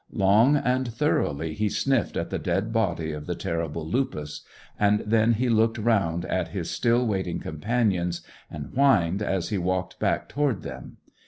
Long and thoroughly he sniffed at the dead body of the terrible Lupus, and then he looked round at his still waiting companions, and whined as he walked back toward them.